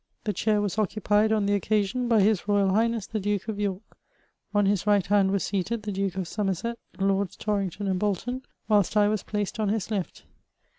The chair was occapied on the occasion by his Boyal Highness the Duke of York ;— on his rig^t hand were seated the Duke of Somexsety Lords Toiringtcm and Bolton, whilst I was phKsed on his left.